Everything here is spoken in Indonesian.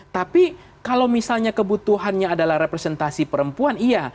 tapi kalau misalnya kebutuhannya adalah representasi perempuan iya